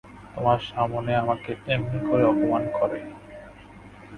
তোমার সামনে আমাকে এমনি করে অপমান করে?